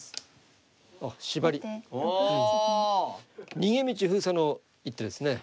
逃げ道封鎖の一手ですね。